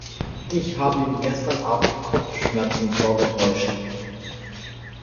Ich habe ihm gestern Abend Kopfschmerzen vorgetäuscht.